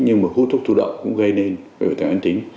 nhưng mà hút thuốc chủ động cũng gây nên bệnh phổi tắc nghẽn mãn tính